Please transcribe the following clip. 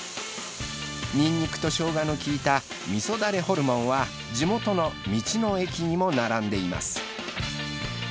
ニンニクとしょうがの効いた味噌だれホルモンは地元の道の駅にも並んでいます。